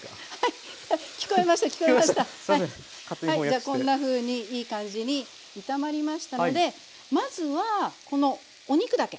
じゃあこんなふうにいい感じに炒まりましたのでまずはこのお肉だけ。